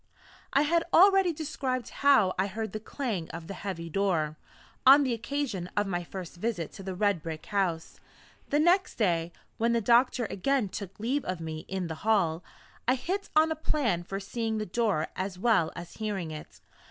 I have already described how I heard the clang of the heavy door, on the occasion of my first visit to the red brick house. The next day, when the doctor again took leave of me in the hall, I hit on a plan for seeing the door as well as hearing it.